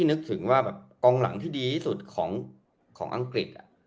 นึกถึงว่าแบบกองหลังที่ดีที่สุดของอังกฤษ